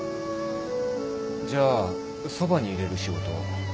じゃあそばにいれる仕事を。